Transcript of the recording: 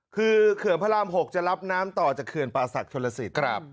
คือเขื่อนพระราม๖จะรับน้ำต่อจากเขื่อนป่าศักดิชนลสิต